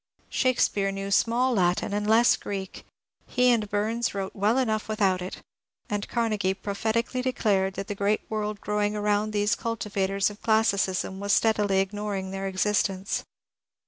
Shakespeare knew small Latin and less Greek ; he and Bums wrote well enough without it ; and Carnegie pro phetically declared that the great world growing around these cultivators of classicism was steadily ignoring their existence.